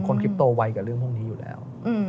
คลิปโตไวกับเรื่องพวกนี้อยู่แล้ว